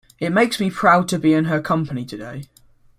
It makes me proud to be in her company today.